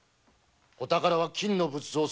お宝は金の仏像三体だ。